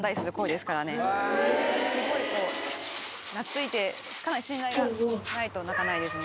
すごいこう、懐いて、かなり信頼がないと鳴かないですね。